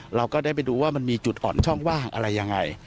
เราก็ได้ไปดูว่ามันมีจุดอ่อนช่องว่างอะไรยังไง